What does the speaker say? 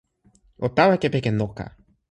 o tawa kepeken noka.